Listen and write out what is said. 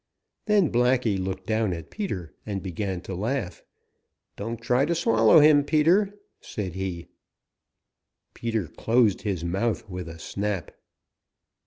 Then Blacky looked down at Peter and began to laugh. "Don't try to swallow him, Peter!" said he. [Illustration: 0099] Peter closed his mouth with a snap.